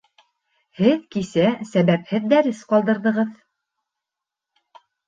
Һеҙ кисә сәбәпһеҙ дәрес ҡалдырҙығыҙ